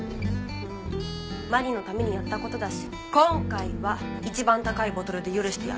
愛鈴のためにやった事だし今回は一番高いボトルで許してやる。